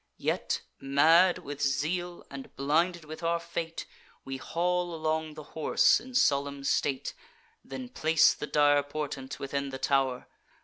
Yet, mad with zeal, and blinded with our fate, We haul along the horse in solemn state; Then place the dire portent within the tow'r.